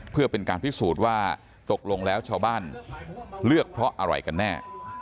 เพื่อเป็นการพิสูจน์ว่าตกลงแล้วชาวบ้านเลือกเพราะอะไรกันแน่